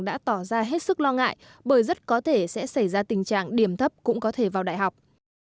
đã tỏ ra hết sức lo ngại bởi rất có thể sẽ xảy ra tình trạng điểm thấp cũng có thể vào đại học